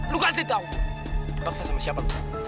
lo kasih tau dipaksa sama siapa